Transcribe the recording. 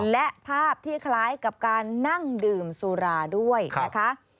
และภาพที่คล้ายกับการนั่งดื่มสุราด้วยนะคะ